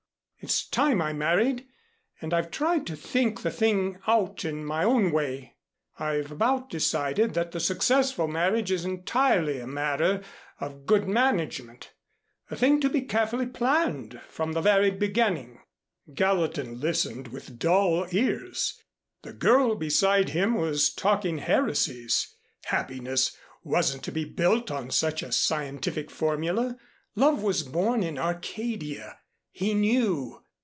It's time I married and I've tried to think the thing out in my own way. I've about decided that the successful marriage is entirely a matter of good management a thing to be carefully planned from the very beginning." Gallatin listened with dull ears. The girl beside him was talking heresies. Happiness wasn't to be built on such a scientific formula. Love was born in Arcadia. He knew.